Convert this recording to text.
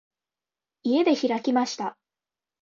家で開きました。